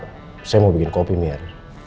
ya sebenernya saya mau bikin kopi mir